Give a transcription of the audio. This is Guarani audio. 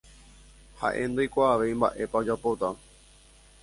ha'e ndoikuaavéi mba'épa ojapóta